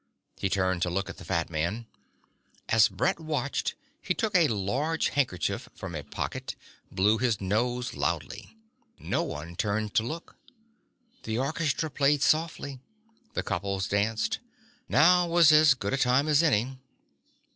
He turned to look at the fat man. As Brett watched he took a large handkerchief from a pocket, blew his nose loudly. No one turned to look. The orchestra played softly. The couples danced. Now was as good a time as any